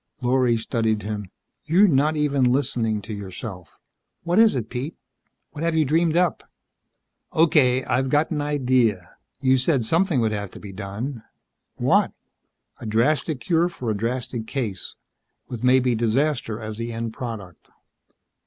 Lorry studied him. "You're not even listening to yourself. What is it, Pete? What have you dreamed up?" "Okay. I've got an idea. You said something would have to be done." "What?" "A drastic cure for a drastic case. With maybe disaster as the end product."